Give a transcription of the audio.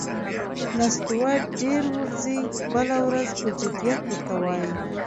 نستوه ډېر ورځي، بله ورځ پهٔ جدیت ور ته وايي: